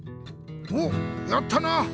おっやったな！